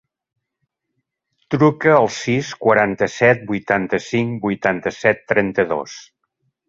Truca al sis, quaranta-set, vuitanta-cinc, vuitanta-set, trenta-dos.